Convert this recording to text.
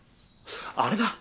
あれだ。